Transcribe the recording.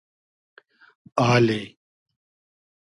آلی